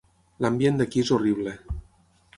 L'ambient d'aquí és horrible